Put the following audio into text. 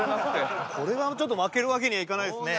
これはちょっと負けるわけにはいかないですね。